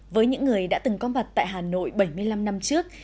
với những người đã từng có mặt tại hà nội bảy mươi năm năm trước